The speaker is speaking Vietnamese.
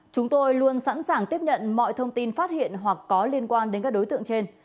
chúng tôi luôn sẵn sàng tiếp nhận mọi thông tin phát hiện hoặc có liên quan đến các đối tượng trên